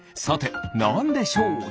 さてなんでしょう？